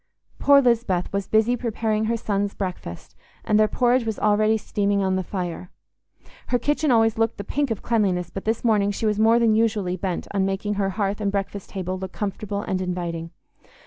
Poor Lisbeth was busy preparing her sons' breakfast, and their porridge was already steaming on the fire. Her kitchen always looked the pink of cleanliness, but this morning she was more than usually bent on making her hearth and breakfast table look comfortable and inviting.